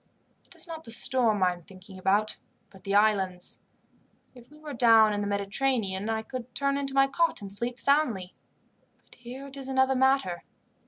It is not the storm I am thinking about, but the islands. If we were down in the Mediterranean I could turn into my cot and sleep soundly; but here it is another matter.